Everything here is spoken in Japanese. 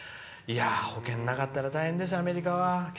保険なかったら大変ですアメリカは。